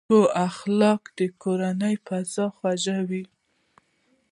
ښه اخلاق د کورنۍ فضا خوږوي.